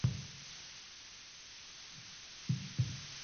پوهه لرونکې میندې د ماشومانو روغتیایي عادتونه جوړوي.